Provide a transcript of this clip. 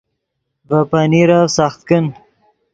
ڤے پنیرف سخت کن